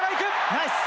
ナイス。